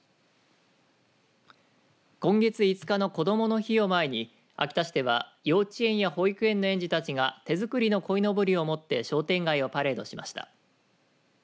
今月５日のこどもの日を前に秋田市では幼稚園や保育園の園児たちが手作りのこいのぼりを持って商店街をパレードしました。